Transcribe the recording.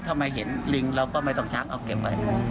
ถ้าไม่เห็นลิงเราก็ไม่ต้องชักเอาเก็บไว้